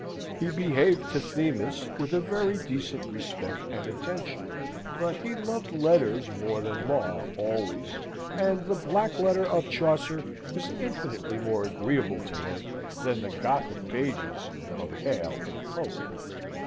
He behaved to Themis with a very decent respect and attention; but he loved letters more than law always; and the black letter of Chaucer was infinitely more agreeable to him than the Gothic pages of Hale and Coke.